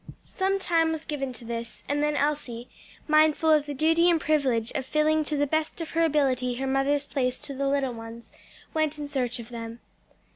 Some time was given to this, and then Elsie, mindful of the duty and privilege of filling to the best of her ability her mother's place to the little ones, went in search of them.